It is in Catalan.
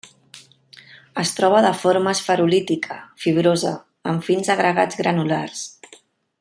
Es troba de forma esferulítica, fibrosa, en fins agregats granulars.